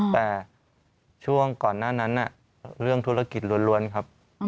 แต่ช่วงก่อนหน้านั้นเรื่องธุรกิจล้วนครับ